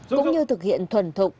cũng như thực hiện thuần thục